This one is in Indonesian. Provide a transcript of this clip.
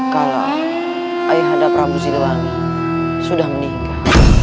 kalau ayahanda prabu ziluwangi sudah meninggal